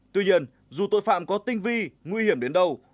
tuy nhiên dù tội phạm có tinh vi nguy hiểm đến đâu